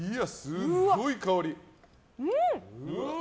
すごい香り！